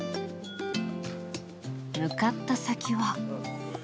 向かった先は。